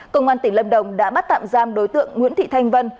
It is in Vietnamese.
công an tỉnh lâm đồng đã bắt tạm giam đối tượng nguyễn thị thanh vân